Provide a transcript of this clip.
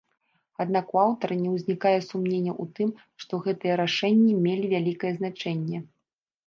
Аднак у аўтара не ўзнікае сумненняў у тым, што гэтыя рашэнні мелі вялікае значэнне.